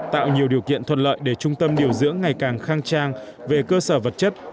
tạo nhiều điều kiện thuận lợi để trung tâm điều dưỡng ngày càng khang trang về cơ sở vật chất